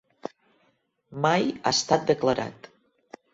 Mai ha estat declarat.